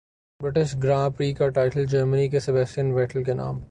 British Grand Prix کا title Germany کے Sebastian Vettel کے نام